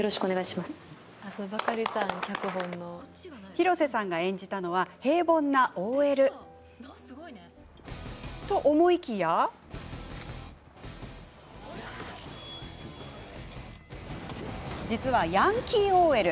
広瀬さんが演じるのは平凡なＯＬと思いきや実はヤンキーＯＬ。